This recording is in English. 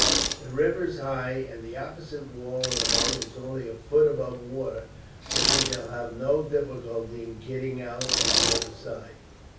The river is high, and the opposite wall of the moat is only a foot above the water, so we shall have no difficulty in getting out on the other side.